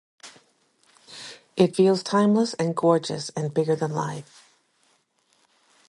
It feels timeless and gorgeous and bigger than life.